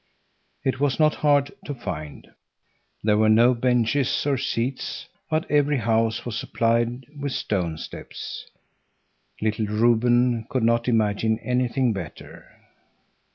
It was not hard to find. There were no benches or seats, but every house was supplied with stone steps. Little Reuben could not imagine anything better.